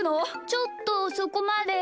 ちょっとそこまで。